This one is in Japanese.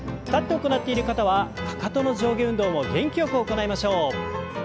立って行っている方はかかとの上下運動も元気よく行いましょう。